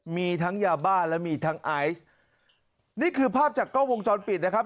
มีทั้งยาบ้าและมีทั้งไอซ์นี่คือภาพจากกล้องวงจรปิดนะครับ